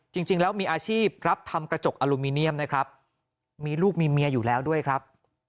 จริงแล้วมีอาชีพรับทำกระจกอลูมิเนียมนะครับมีลูกมีเมียอยู่แล้วด้วยครับ